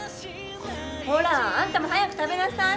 ほらあんたも早く食べなさい！